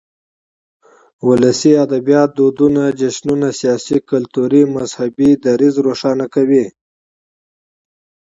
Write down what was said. ولسي ادبيات دودنه، جشنونه ،سياسي، کلتوري ،مذهبي ، دريځ روښانه کوي.